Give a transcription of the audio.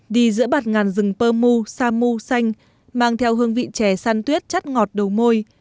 đi giữa bạt ngàn rừng pơ mu sa mu xanh mang theo hương vị trẻ san tuyết chất ngọt đầu môi